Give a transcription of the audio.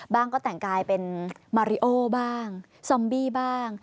บ้างก็แต่งกายเป็นมาริโอบ้างซอมบี้บ้าง